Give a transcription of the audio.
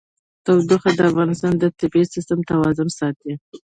تودوخه د افغانستان د طبعي سیسټم توازن ساتي.